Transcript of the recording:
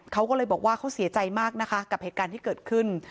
เขาก็เลยบอกว่าเขาเสียใจมากนะคะกับเหตุการณ์ที่เกิดขึ้น